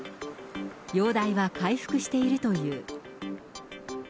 容体は回復しているという。